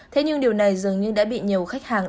thế nhưng điều này dường như đã bị nhiều khách hàng